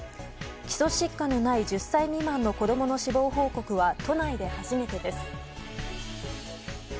基礎疾患のない１０歳未満の子供の死亡報告は都内で初めてです。